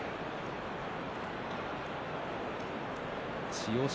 千代翔